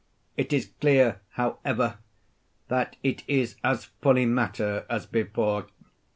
It is clear, however, that it is as fully matter as before.